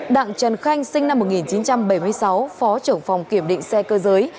đặng trần khanh sinh năm một nghìn chín trăm bảy mươi sáu phó trưởng phòng kiểm định xe cơ giới